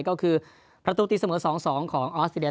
ก็คือประตูตีเสมอ๒๒ของออสเตรเลี